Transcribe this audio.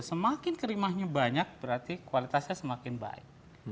semakin kerimahnya banyak berarti kualitasnya semakin baik